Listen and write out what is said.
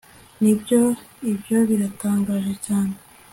nibyo, ibyo biratangaje cyane